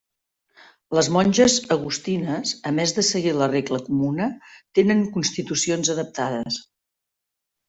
Les monges agustines, a més de seguir la regla comuna, tenen constitucions adaptades.